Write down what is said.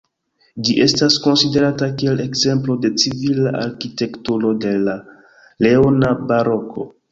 Ĝi estas konsiderata kiel ekzemplo de civila arkitekturo de la leona baroko.